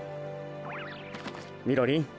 みろりん。